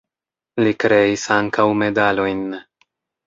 Li kreis ankaŭ medalojn.